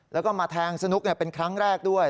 แล้วก็มาแทงสนุกเป็นครั้งแรกด้วย